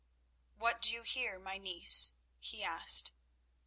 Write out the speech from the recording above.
"What do you here, my niece?" he asked.